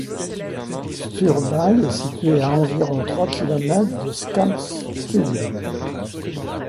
Stureby est situé à environ trois kilomètres de Skanstull.